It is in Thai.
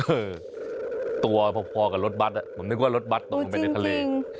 ตัวพอกับรถบัตรผมนึกว่ารถบัตรตกลงไปในทะเล